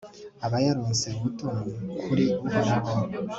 aba yaronse ubutoni kuri uhoraho